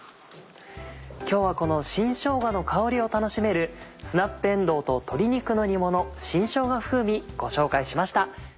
今日はこの新しょうがの香りを楽しめる「スナップえんどうと鶏肉の煮もの新しょうが風味」ご紹介しました。